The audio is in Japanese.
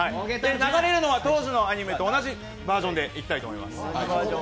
流れるのは当時のアニメと同じバージョンでいきたいと思います。